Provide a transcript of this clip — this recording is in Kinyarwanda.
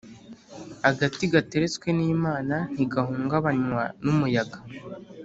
Agati gateretswe n’Imana ntigahungabanywa n’umuyaga.